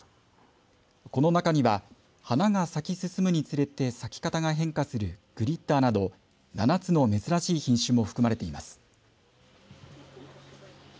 この中には花が咲き進むにつれて咲き方が変化するグリッターなど７つの珍しい品種も含まれています。